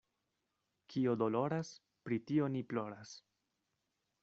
Kio doloras, pri tio ni ploras.